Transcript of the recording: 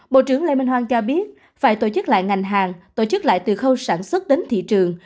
bộ trưởng lê minh hoan cho biết phải tổ chức lại ngành hàng tổ chức lại từ khâu sản xuất đến thị trường